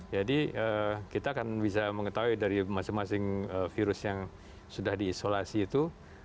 kita akan bisa mengetahui dari masing masing virus yang sudah diisolasi itu